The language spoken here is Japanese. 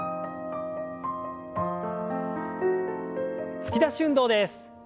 突き出し運動です。